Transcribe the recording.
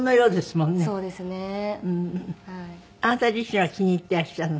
あなた自身は気に入っていらっしゃるの？